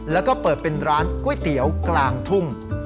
แล้วก็เปิดเป็นร้านก๋วยเตี๋ยวกลางทุ่ง